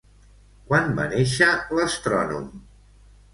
Quan va néixer l'astrònom?